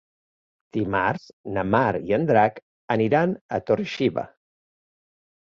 Dimarts na Mar i en Drac aniran a Torre-xiva.